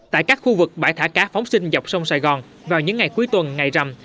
tại các khu vực bãi thả cá phóng sinh dọc sông sài gòn vào những ngày cuối tuần ngày rằm